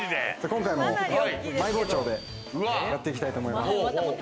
今回もマイ包丁でやっていきたいと思います。